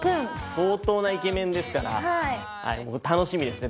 相当なイケメンですから楽しみですね